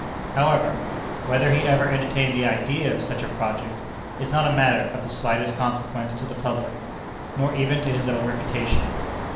However, whether he ever entertained the idea of such a project, is not a matter of the slightest consequence to the public, nor even to his own reputation.